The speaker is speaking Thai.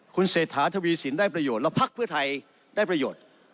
คุณเศรษฐาทวีสินได้ประโยชน์แล้วพักเพื่อไทยได้ประโยชน์